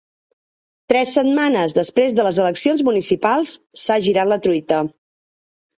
Tres setmanes després de les eleccions municipals, s’ha girat la truita.